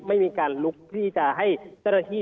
ไม่มีการลุกที่จะให้เจ้าหน้าที่